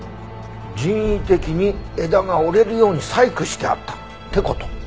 人為的に枝が折れるように細工してあったって事？